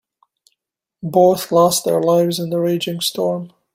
Both lost their lives in the raging storm.